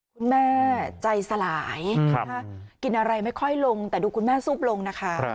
คุณแม่ใจสลายกินอะไรไม่ค่อยลงแต่ดูคุณแม่ซูบลงนะคะ